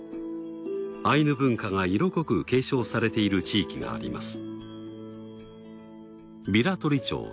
アイヌ文化が色濃く継承されている地域があります。